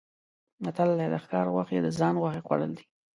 متل دی: د ښکار غوښې د ځان غوښې خوړل دي.